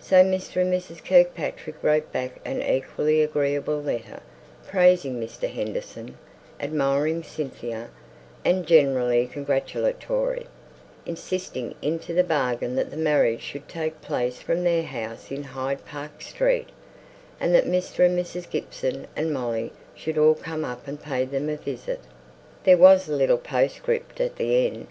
So Mr. and Mrs. Kirkpatrick wrote back an equally agreeable letter, praising Mr. Henderson, admiring Cynthia, and generally congratulatory; insisting into the bargain that the marriage should take place from their house in Hyde Park Street, and that Mr. and Mrs. Gibson and Molly should all come up and pay them a visit. There was a little postscript at the end.